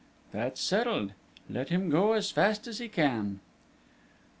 "That's settled. Let him go as fast as he can!"